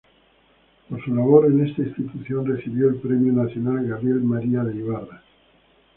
Por su labor en esta institución, recibió el Premio Nacional Gabriel María de Ibarra.